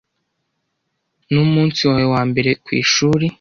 Numunsi wawe wambere kwishuri?